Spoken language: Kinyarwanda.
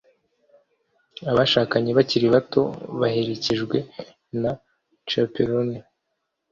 Abashakanye bakiri bato baherekejwe na chaperone.